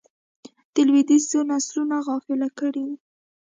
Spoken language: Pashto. د لوېدیځ څو نسلونه غافل کړي وو.